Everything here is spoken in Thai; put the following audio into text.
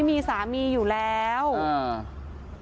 มีสามีอยู่แล้วอ่า